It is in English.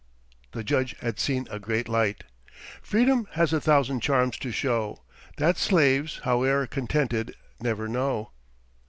The Judge had seen a great light. "Freedom has a thousand charms to show, That slaves, howe'er contented, never know."